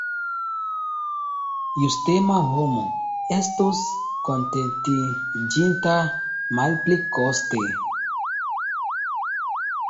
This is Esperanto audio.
Justema homo estus kontentiĝinta malpli koste.